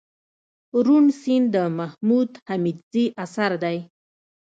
روڼ سيند دمحمود حميدزي اثر دئ